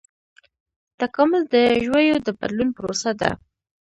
تکامل د ژویو د بدلون پروسه ده